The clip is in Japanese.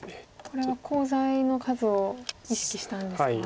これはコウ材の数を意識したんですか？